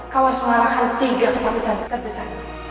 kau harus mengalahkan tiga ketakutan terbesar